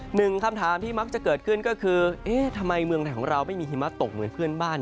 หนึ่งคำถามที่มักจะเกิดขึ้นก็คือเอ๊ะทำไมเมืองไทยของเราไม่มีหิมะตกเหมือนเพื่อนบ้าน